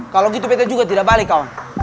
kalau gitu bet juga tidak balik kawan